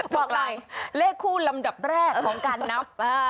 บอกลายเลขคู่ลำดับแรกของกันน้ำ